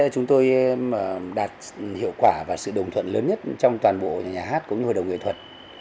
chúng tôi đạt hiệu quả và sự đồng thuận lớn nhất trong toàn bộ nhà hát cũng như hội đồng nghệ thuật